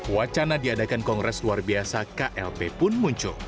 wacana diadakan kongres luar biasa klb pun muncul